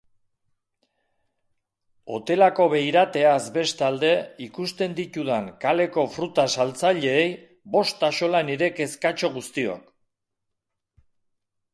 Hoteleko beirateaz bestalde ikusten ditudan kaleko fruta-saltzaileei bost axola nire kezkatxo guztiok.